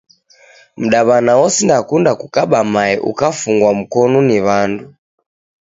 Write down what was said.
Mdawana osindakunda kukaba mae ukafungwa mkonu ni wandu